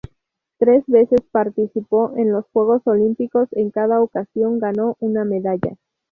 Tres veces participó en los Juegos Olímpicos, en cada ocasión ganó una medalla.